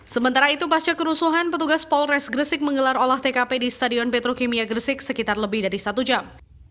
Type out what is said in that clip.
sementara itu pasca kerusuhan petugas polres gresik menggelar olah tkp di stadion petrokimia gresik sekitar lebih dari satu jam